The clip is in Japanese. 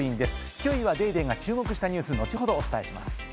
９位は『ＤａｙＤａｙ．』が注目したニュース、後ほどをお伝えします。